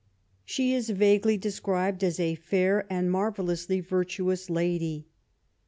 She is vaguely de scribed as a " fair and marvellously virtuous lady."